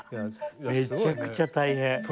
めちゃくちゃ大変。